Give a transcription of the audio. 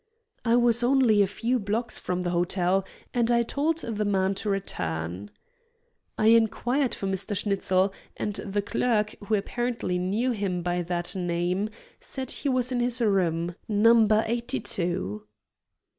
I was only a few blocks from the hotel, and I told the man to return. I inquired for Mr. Schnitzel, and the clerk, who apparently knew him by that name, said he was in his room, number eighty two.